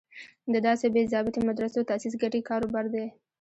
د داسې بې ضابطې مدرسو تاسیس ګټې کار و بار دی.